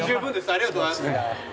ありがとうございます。